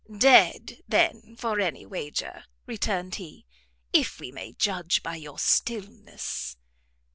"Dead, then, for any wager," returned he, "if we may judge by your stillness."